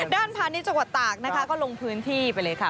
ด้านผ่านในจังหวัดตากนะคะก็ลงพื้นที่ไปเลยค่ะ